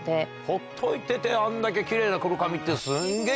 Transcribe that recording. ほっといててあんだけキレイな黒髪っていうのは。